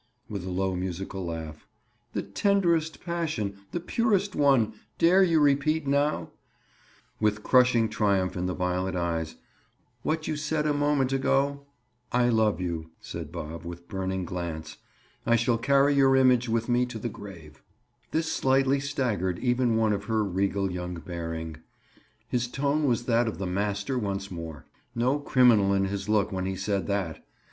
With a low musical laugh. "The tenderest passion! The purest one! Dare you repeat now," with crushing triumph in the violet eyes, "what you said a moment ago." "I love you," said Bob, with burning glance. "I shall carry your image with me to the grave." This slightly staggered even one of her regal young bearing. His tone was that of the master once more. No criminal in his look when he said that!